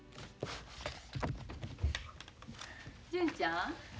純ちゃん。